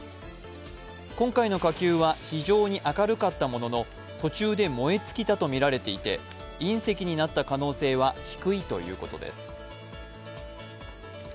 今回の火球は非常に明るかったものの、途中で燃え尽きたとみられていて隕石になった可能性は低いということです。